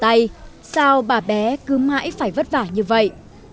tại sao bà bé cứ mãi phải vất vả như vậy